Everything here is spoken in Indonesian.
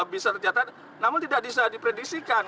bisa tercatat namun tidak bisa diprediksikan